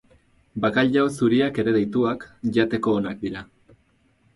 Bakailao zuriak ere deituak, jateko onak dira.